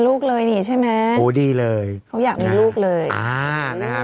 ลูกเลยนี่ใช่ไหมโอ้ดีเลยเขาอยากมีลูกเลยอ่านะฮะ